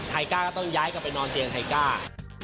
ก้าก็ต้องย้ายกลับไปนอนเตียงไทก้า